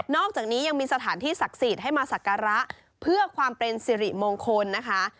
อกจากนี้ยังมีสถานที่ศักดิ์สิทธิ์ให้มาสักการะเพื่อความเป็นสิริมงคลนะคะ